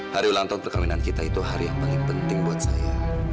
hari ulang tahun perkawinan kita itu hari yang paling penting buat saya